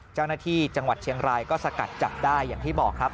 เจ้าหน้าที่จังหวัดเชียงรายก็สกัดจัดได้อย่างที่บอกครับ